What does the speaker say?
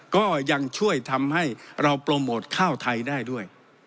ก็ยังช่วยทำให้เราโปรโมทข้าวไทยได้ด้วย